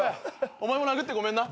お前も殴ってごめんな。